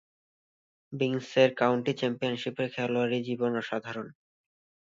বিঙ্কসের county চ্যাম্পিয়নশীপের খেলোয়াড়ী জীবন অসাধারণ।